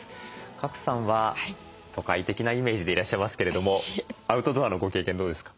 賀来さんは都会的なイメージでいらっしゃいますけれどもアウトドアのご経験どうですか？